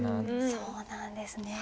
そうなんですね。